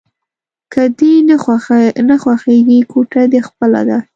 که دې نه خوښېږي ګوته دې خپله ده.